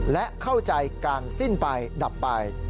และเข้าใจการสิ้นไปดับไป